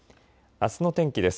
あすの天気です。